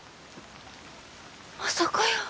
まさかやー。